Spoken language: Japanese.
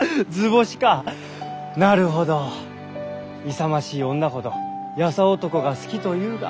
勇ましい女ほど優男が好きというが。